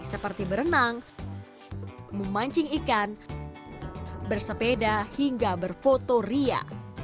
seperti berenang memancing ikan bersepeda hingga berfoto ria